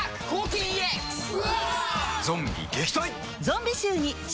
ゾンビ撃退！